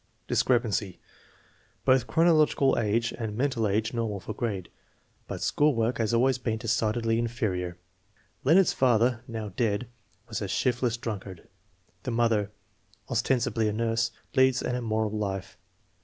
Discrepancy: Both chronological age and mental age normal for grade, but school work has always been decidedly inferior. Leonard's father, now dead, was a shiftless drunkard. The mother, ostensibly a nurse, leads an immoral life.